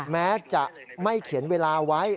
แม้จะไม่เขียนเวลาไว้